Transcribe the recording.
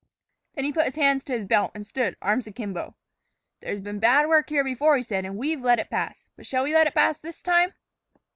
Then he put his hands to his belt and stood, arms akimbo. "There's been bad work here before," he said, "and we've let it pass. But shall we let it pass this time?"